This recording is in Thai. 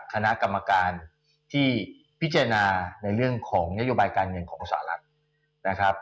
คณะกรรมการที่พิจารณาในเรื่องของนโยบายการเงินของสหรัฐนะครับ